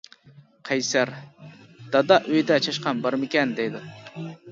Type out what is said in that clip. قەيسەر: دادا ئۆيدە چاشقان بارمىكەن دەيدۇ.